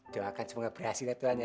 doakan semoga berhasil ya tuhan ya